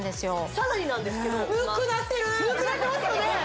さらになんですけどぬくくなってますよね！